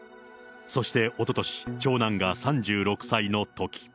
そしておととし、長男が３６歳のとき。